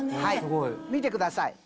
見てください。